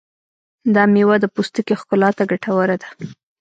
دا مېوه د پوستکي ښکلا ته ګټوره ده.